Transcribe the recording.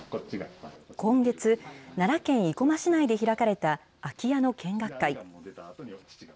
今月、奈良県生駒市内で開かれた空き家の見学会。